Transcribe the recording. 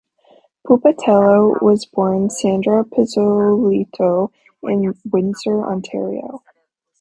Pupatello was born Sandra Pizzolitto in Windsor, Ontario.